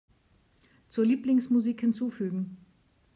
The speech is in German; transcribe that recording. Zur Lieblingsmusik hinzufügen.